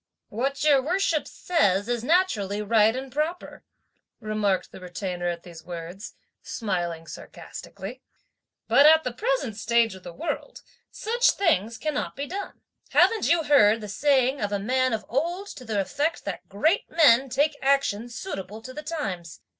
"What your worship says is naturally right and proper," remarked the Retainer at these words, smiling sarcastically, "but at the present stage of the world, such things cannot be done. Haven't you heard the saying of a man of old to the effect that great men take action suitable to the times.